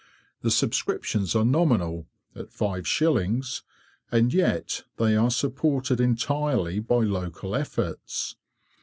The subscriptions are nominal (5s.), and yet they are supported entirely by local efforts.